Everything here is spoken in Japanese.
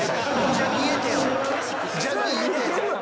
じゃあ見えてよ